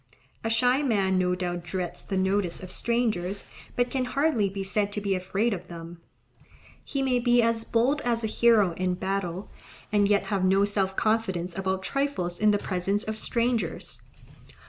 A shy man no doubt dreads the notice of strangers, but can hardly be said to be afraid of them, he may be as bold as a hero in battle, and yet have no self confidence about trifles in the presence of strangers.